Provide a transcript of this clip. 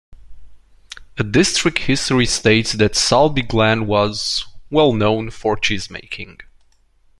A district history states that Sulby Glen was ...well-known for cheese-making.